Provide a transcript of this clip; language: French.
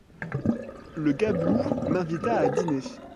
Le gabelou m'invita à dîner.